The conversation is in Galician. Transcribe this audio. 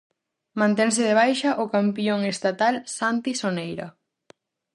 Mantense de baixa o campión estatal Santi Soneira.